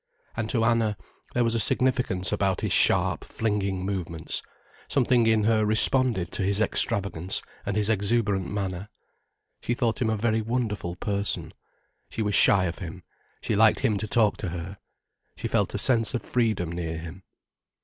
And to Anna, there was a significance about his sharp, flinging movements. Something in her responded to his extravagance and his exuberant manner. She thought him a very wonderful person. She was shy of him, she liked him to talk to her. She felt a sense of freedom near him.